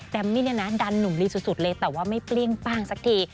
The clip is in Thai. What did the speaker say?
มมี่เนี่ยนะดันหนุ่มลีสุดเลยแต่ว่าไม่เปรี้ยงป้างสักที